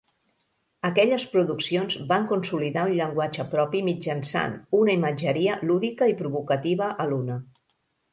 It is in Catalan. Aquelles produccions van consolidar un llenguatge propi mitjançant una imatgeria lúdica i provocativa a l'una.